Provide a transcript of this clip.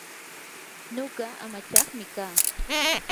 nuqa amachaqmi kaa.